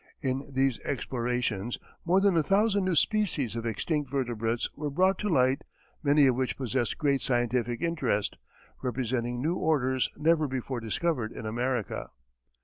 In these explorations, more than a thousand new species of extinct vertebrates were brought to light, many of which possess great scientific interest, representing new orders never before discovered in America.